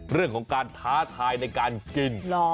เรื่องของการท้าทายในการกิน